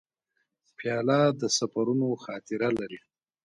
پیاله د سفرونو خاطره لري.